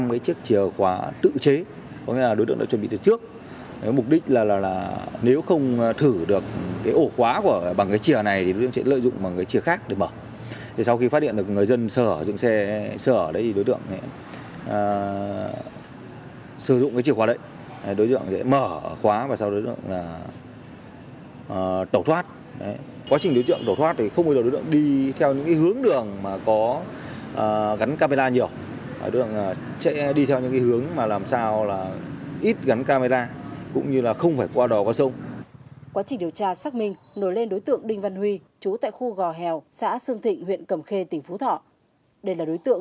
quá trình điều tra xác minh nổi lên đối tượng đinh văn huy chú tại khu gò hèo xã sương thịnh huyện cầm khê tỉnh phú thọ